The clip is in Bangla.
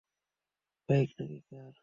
বাইক নাকি কার?